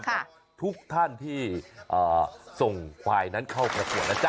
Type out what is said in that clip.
ทุกท่านที่ส่งควายนั้นเข้าเล็กส่วนนะจ๊ะ